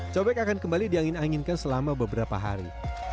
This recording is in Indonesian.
cobek akan kembali di angin anginkan selama beberapa hari